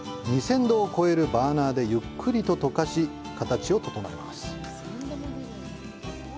２０００度を超えるバーナーでゆっくりと溶かし、形を整えます。